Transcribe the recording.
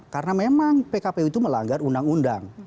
karena memang pkpu itu melanggar undang undang